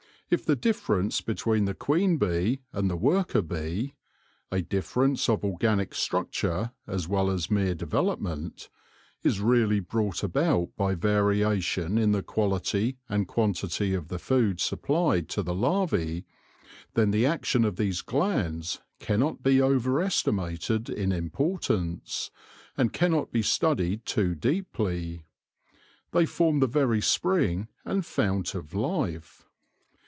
If the difference between the queen bee and the worker bee — a difference of organic structure as well as mere development — is really brought about by variation in the quality and quantity of the food supplied to the larvae, then the action of these glands cannot be over estimated in importance, and cannot be studied too deeply : they form the very spring and fount of life.